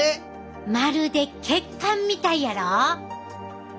まるで血管みたいやろ？